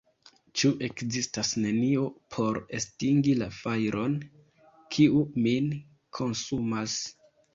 Ĉu ekzistas nenio por estingi la fajron, kiu min konsumas?